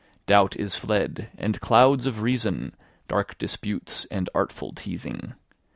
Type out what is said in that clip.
Doubt is fled, and clouds of reason, Dark disputes and artful teazing.